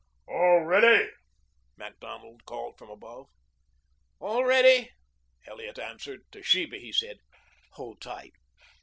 "All ready?" Macdonald called from above. "All ready," Elliot answered. To Sheba he said, "Hold tight."